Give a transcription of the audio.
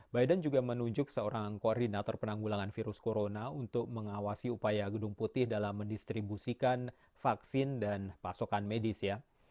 biden juga menunjuk seorang koordinator penanggulangan virus corona untuk mengawasi upaya gedung putih dalam mendistribusikan vaksin dan pasokan medis ya